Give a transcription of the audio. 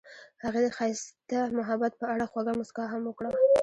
هغې د ښایسته محبت په اړه خوږه موسکا هم وکړه.